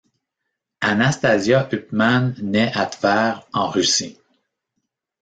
Anastasia Huppmann naît à Tver, en Russie.